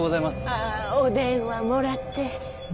ああお電話もらって。